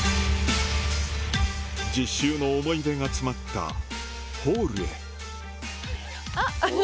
実習の思い出が詰まったホールへあっ！